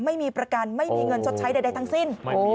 ไม่มีประกันไม่มีเงินชดใช้ใดทั้งสิ้น